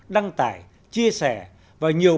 đăng tải chia sẻ và nhiều bài